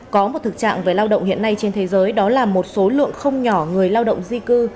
có một thực trạng về lao động hiện nay trên thế giới đó là một số lượng không nhỏ người lao động di cư